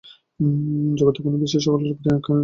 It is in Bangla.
জগতের কোন বিষয়েই সকলের উপর এক আইন খাটে না।